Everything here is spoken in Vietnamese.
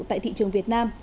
tại thị trường việt nam